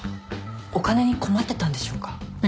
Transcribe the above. お金に困ってたんでしょうか？